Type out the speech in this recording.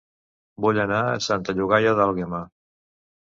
Vull anar a Santa Llogaia d'Àlguema